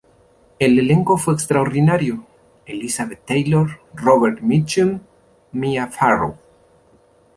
El elenco fue extraordinario: Elizabeth Taylor, Robert Mitchum, Mia Farrow.